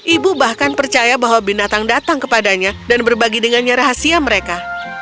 ibu bahkan percaya bahwa binatang datang kepadanya dan berbagi dengannya rahasia mereka